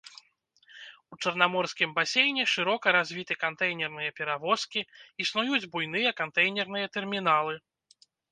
У чарнаморскім басейне шырока развіты кантэйнерныя перавозкі, існуюць буйныя кантэйнерныя тэрміналы.